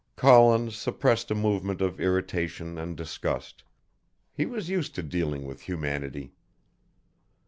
Collins suppressed a movement of irritation and disgust. He was used to dealing with Humanity.